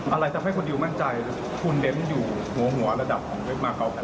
อะไรที่จะให้คุณดิวมั่นใจคุณเด้มอยู่หัวระดับของเว็บมาร์เกาะแพทย์